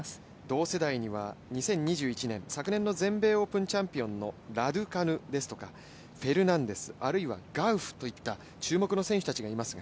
同世代には２０２１年、昨年の全米オープンチャンピオンのラドカヌ、フェルナンデス、あるいはガウフといった注目の選手たちがいます。